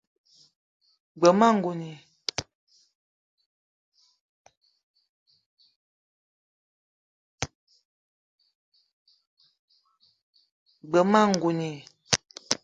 G-beu ma ngouni